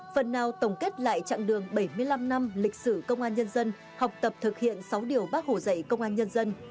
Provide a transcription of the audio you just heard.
phần nào tổng kết lại chặng đường bảy mươi năm năm lịch sử công an nhân dân học tập thực hiện sáu điều bác hồ dạy công an nhân dân